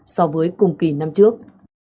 so với cùng kỳ năm trước